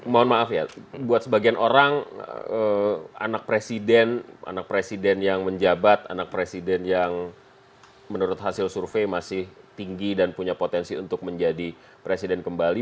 mohon maaf ya buat sebagian orang anak presiden anak presiden yang menjabat anak presiden yang menurut hasil survei masih tinggi dan punya potensi untuk menjadi presiden kembali